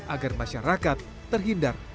agar masyarakat terhindar